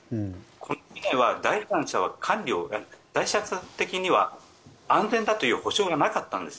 この船は第三者的には安全だという保証がなかったんです。